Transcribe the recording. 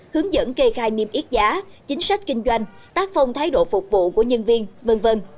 hướng dẫn kê khai niêm yết giá chính sách kinh doanh tác phong thái độ phục vụ của nhân viên v v